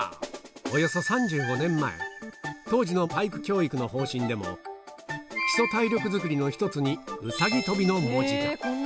およそ３５年前、当時の体育教育の方針でも、基礎体力作りの一つに、うさぎ跳びの文字が。